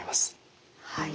はい。